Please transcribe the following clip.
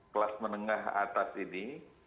kelas menengah atas ini